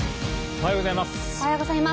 おはようございます。